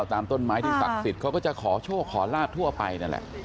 ตามต้นไม้ที่ศักดิ์สิทธิ์เขาก็จะขอโชคขอลาบทั่วไปนั่นแหละ